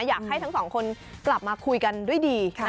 อยากให้ทั้งสองคนกลับมาคุยกันด้วยดี